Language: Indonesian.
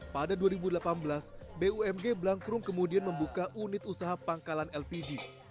pada dua ribu delapan belas bumg blangkrum kemudian membuka unit usaha pangkalan lpg